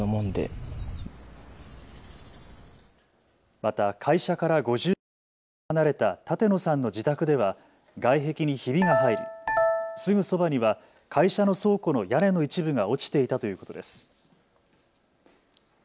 また会社から５０メートルほど離れた舘野さんの自宅では外壁にひびが入りすぐそばには会社の倉庫の屋根の一部が落ちていたということです。